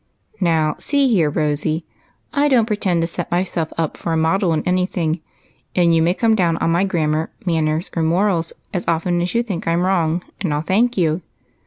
Now, see here. Rosy, I don't pretend to set myself up for a model in any thing, and you may come down on my grammar, manners, or morals as often as you think I 'm wrong, and I '11 thank you.